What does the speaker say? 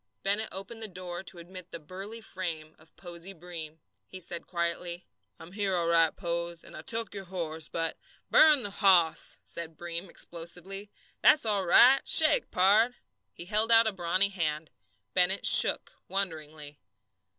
Bennett opened the door to admit the burly frame of Posey Breem. He said quietly: "I'm here all right, Pose, and I took your horse, but " "Burn the hoss!" said Breem explosively. "That's all right. Shake, pard!" He held out a brawny hand. Bennett "shook" wonderingly.